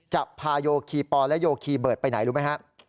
จะพาโยคีปอและโยคีเบิร์ตไปไหนรู้ไหมครับ